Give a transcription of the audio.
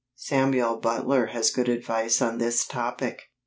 Samuel Butler has good advice on this topic.